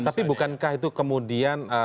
tapi bukankah itu kemudian